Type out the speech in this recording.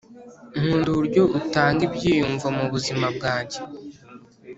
nkunda uburyo utanga ibyiyumvo mubuzima bwanjye